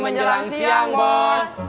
menjelang siang bos